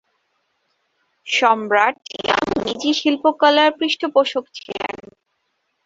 সম্রাট ইয়াং নিজে শিল্পকলার পৃষ্ঠপোষক ছিলেন।